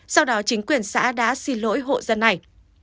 sau đó chính quyền xã đã xin lỗi hộ dân này